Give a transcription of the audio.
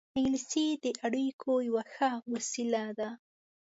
انګلیسي د اړیکو یوه ښه وسیله ده